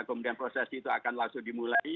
kemudian proses itu akan langsung dimulai